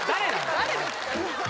誰ですか？